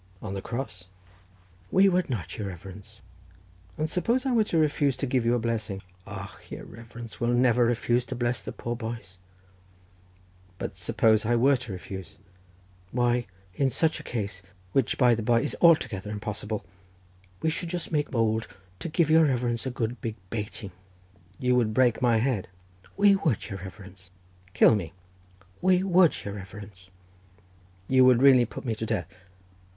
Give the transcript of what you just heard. "On the Cross?" "We would not, your reverence." "And suppose I were to refuse to give you a blessing?" "Och, your reverence will never refuse to bless the poor boys." "But suppose I were to refuse?" "Why, in such a case, which by the bye is altogether impossible, we should just make bould to give your reverence a good bating." "You would break my head?" "We would, your reverence." "Kill me?" "We would, your reverence." "You would really put me to death?"